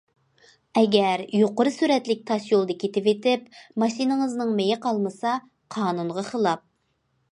ئەگەر يۇقىرى سۈرئەتلىك تاشيولدا كېتىۋېتىپ ماشىنىڭىزنىڭ مېيى قالمىسا قانۇنغا خىلاپ.